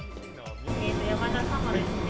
山田様ですね。